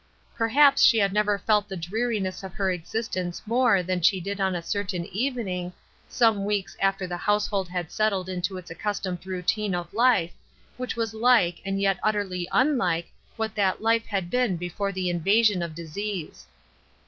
Perhaps she had never felt the dreariness of her existence more than she did on a certain evening, some weeks after the household had settled into its accustomed routine of life, which was ^ke and yet utterly unlike what that life had been before the invasion of disease.